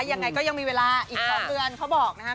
ยังไงก็ยังมีเวลาอีก๒เดือนเขาบอกนะครับ